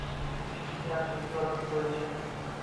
Uchinchisi, yaxshi ustozing boʻlishi.